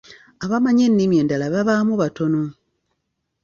Abamanyi ennimi endala babaamu batono.